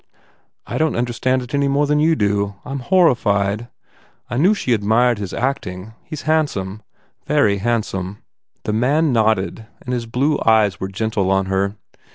"I don t understand it any more than do you. I m horrified. I knew she admired his acting. He s handsome. Very handsome." The man nodded and his blue eyes were gentle on her.